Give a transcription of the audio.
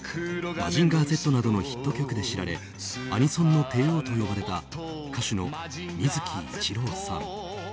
「マジンガーＺ」などのヒット曲で知られアニソンの帝王と呼ばれた歌手の水木一郎さん。